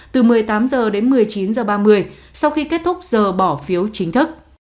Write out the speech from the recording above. từ một mươi tám h đến một mươi chín h ba mươi sau khi kết thúc giờ bỏ phiếu chính thức